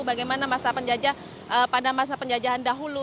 bagaimana masa penjajah pada masa penjajahan dahulu